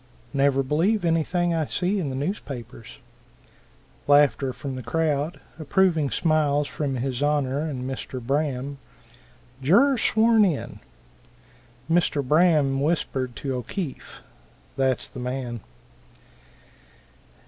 "Never believe anything I see in the newspapers." (Laughter from the crowd, approving smiles from his Honor and Mr. Braham.) Juror sworn in. Mr. Braham whispered to O'Keefe, "that's the man."